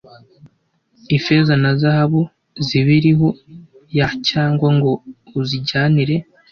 ifeza na zahabu zibiriho y cyangwa ngo uzijyanire